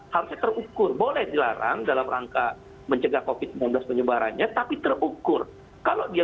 harusnya terukur boleh dilarang dalam rangka mencegah covid sembilan belas penyebarannya tapi terukur kalau dia